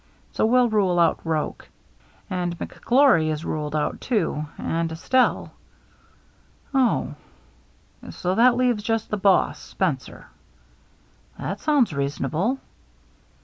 So we'll rule out Roche. And McGlory is ruled out too, and Estelle." "Oh —"" So that leaves just * the boss *— Spencer." " That sounds reasonable."